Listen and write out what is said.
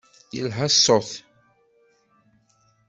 Yelha ṣṣut.